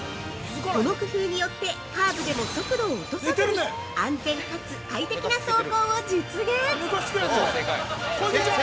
この工夫によってカーブでも速度を落とさずに安全かつ快適な走行を実現。